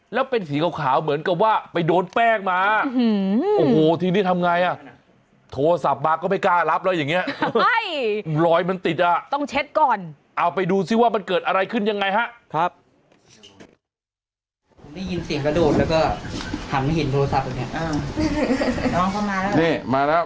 ยังไงฮะครับได้ยินเสียงกระโดดแล้วก็หันเห็นโทรศัพท์อันนี้น้องเขามาแล้วนี่มาแล้ว